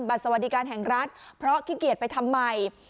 บัตรสวัสดิการแห่งร้านเพราะขี้เกียจไปทำใหม่